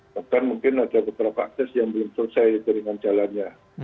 bahkan mungkin ada beberapa akses yang belum selesai jaringan jalannya